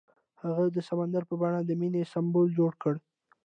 هغه د سمندر په بڼه د مینې سمبول جوړ کړ.